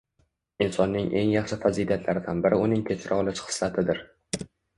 Insonning eng yaxshi fazilatlaridan biri uning kechira olish xislatidir